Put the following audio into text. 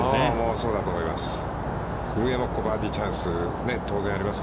そうだと思います。